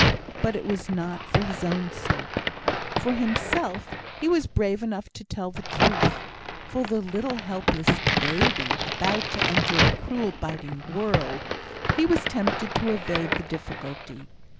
But it was not for his own sake. For himself, he was brave enough to tell the truth; for the little helpless baby, about to enter a cruel, biting world, he was tempted to evade the difficulty.